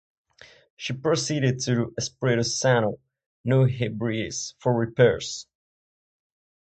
She proceeded to Espiritu Santo, New Hebrides, for repairs.